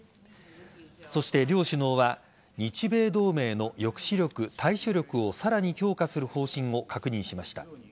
そして両首脳は日米同盟の抑止力、対処力をさらに強化する方針を確認しました。